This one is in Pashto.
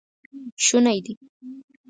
شونی دی